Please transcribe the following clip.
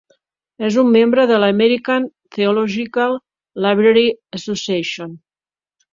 És un membre de la American Theological Library Association.